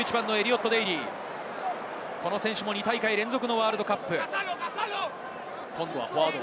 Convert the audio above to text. この選手も２大会連続のワールドカップ。